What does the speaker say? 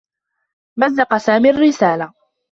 مزّق سامي الرّسالة.